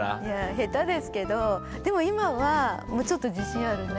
下手ですけどでも今はもうちょっと自信あるね。